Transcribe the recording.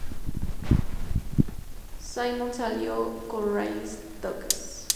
Simone salió con Ryan Stokes.